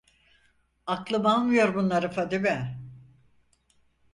Aklım almıyor bunları Fadime…